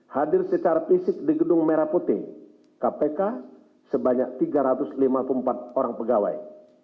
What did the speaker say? hadir secara fisik di gedung merah putih kpk sebanyak tiga ratus lima puluh empat orang pegawai